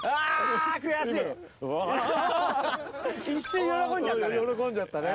一瞬喜んじゃったのよ。